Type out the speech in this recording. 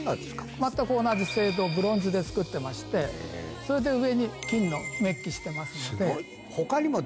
全く同じ青銅ブロンズで作ってましてそれで上に金のメッキしてますので。